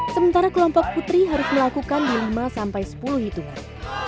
sementara kelompok putri harus melakukan di lima sampai sepuluh hitungan